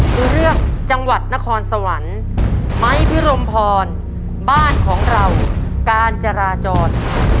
คือเรื่องจังหวัดนครสวรรค์ไม้พิรมพรบ้านของเราการจราจร